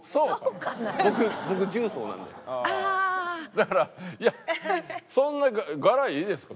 だからいやそんな柄いいですか？